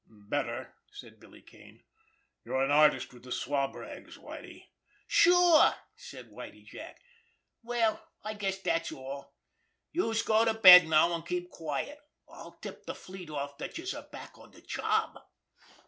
"Better," said Billy Kane. "You're an artist with the swab rags, Whitie." "Sure!" said Whitie Jack. "Well, I guess dat's all. Youse go to bed now, an' keep quiet. I'll tip de fleet off dat youse are back on de job."